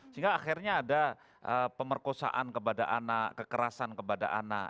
sehingga akhirnya ada pemerkosaan kepada anak kekerasan kepada anak